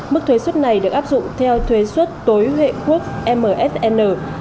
mức thuế xuất này được áp dụng theo thuế xuất tối hệ quốc msn